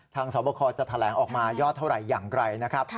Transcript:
สอบคอจะแถลงออกมายอดเท่าไหร่อย่างไรนะครับ